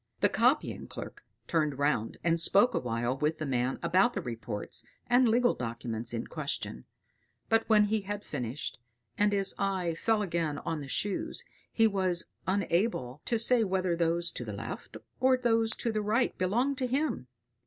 The copying clerk turned round and spoke awhile with the man about the reports and legal documents in question; but when he had finished, and his eye fell again on the Shoes, he was unable to say whether those to the left or those to the right belonged to him.